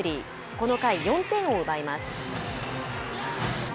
この回、４点を奪います。